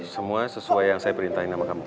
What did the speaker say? semua sesuai yang saya perintahin sama kamu